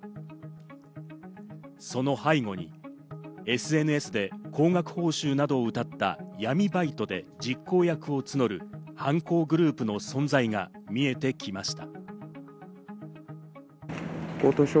その背後にＳＮＳで高額報酬などをうたった闇バイトで実行役を募る、犯行グループの存在が見えてきました。